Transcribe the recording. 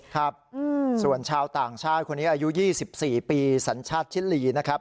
ครับส่วนชาวต่างชาติคนนี้อายุ๒๔ปีสัญชาติชิลีนะครับ